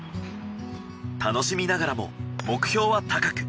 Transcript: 楽しみながらも目標は高く！